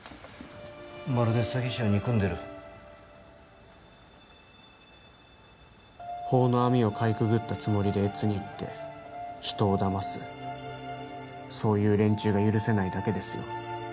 まるで詐欺師を憎んでる法の網をかいくぐったつもりで悦に入って人をだますそういう連中が許せないだけですよ